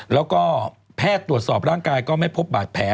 แล้วก็แพทย์ตรวจสอบร่างกายก็ไม่พบบาดแผล